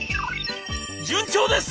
「順調です！